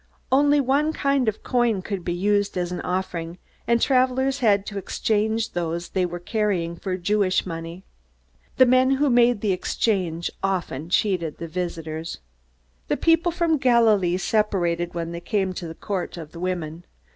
Only one kind of coin could be used as an offering, and travelers had to exchange those they were carrying for Jewish money. The men who made the exchange often cheated the visitors. The people from Galilee separated when they came to the Court of the Women.